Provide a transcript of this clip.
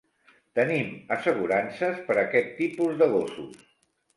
Tenim assegurances per a aquest tipus de gossos.